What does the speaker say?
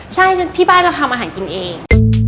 ใช่ที่บ้านเราทำอาหารกินเอง